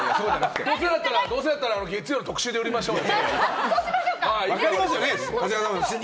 どうせだったら月曜日の特集で売りましょうよ。